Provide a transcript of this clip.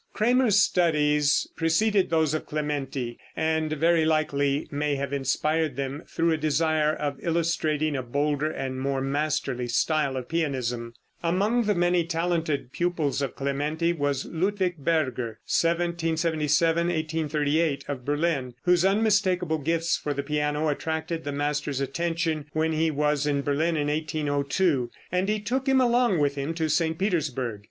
Cramer's studies preceded those of Clementi, and very likely may have inspired them through a desire of illustrating a bolder and more masterly style of pianism. Among the many talented pupils of Clementi was Ludwig Berger (1777 1838), of Berlin, whose unmistakable gifts for the piano attracted the master's attention when he was in Berlin in 1802, and he took him along with him to St. Petersburg.